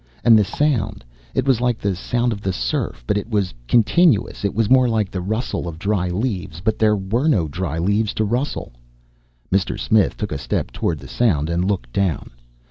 And the sound it was like the sound of the surf, but it was continuous. It was more like the rustle of dry leaves, but there were no dry leaves to rustle. Mr. Smith took a step toward the sound and looked down.